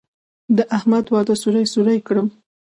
د احمد واده سوري سوري کړم.